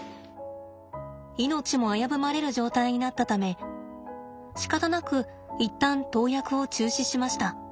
命も危ぶまれる状態になったためしかたなく一旦投薬を中止しました。